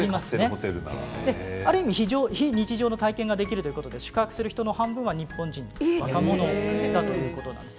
ある意味、非日常の体験ができるということで宿泊する人の半分は日本人の若者だということです。